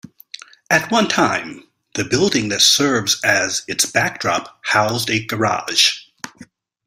At one time, the building that serves as its backdrop housed a garage.